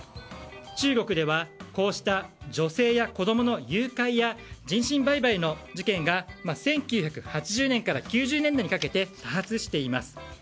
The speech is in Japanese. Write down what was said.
中国ではこうした女性や子供の誘拐や人身売買の事件が１９８０年から９０年代にかけて多発しています。